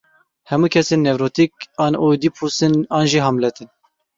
Hemû kesên nevrotîk an Oîdîpûs in an jî Hamlet in.